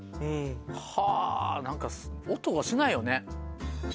はぁ何か音がしないよね。